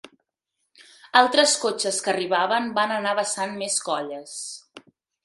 Altres cotxes que arribaven van anar vessant més colles